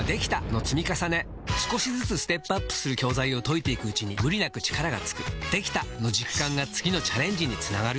少しずつステップアップする教材を解いていくうちに無理なく力がつく「できた！」の実感が次のチャレンジにつながるよし！